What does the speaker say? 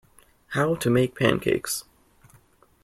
How to make pancakes.